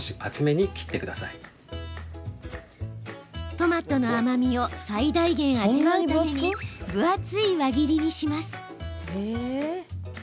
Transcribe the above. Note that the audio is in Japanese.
トマトの甘みを最大限、味わうために分厚い輪切りにします。